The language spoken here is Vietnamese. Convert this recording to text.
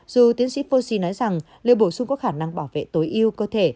dù tiến sĩ fauci nói rằng liều bổ sung có khả năng bảo vệ tối yêu cơ thể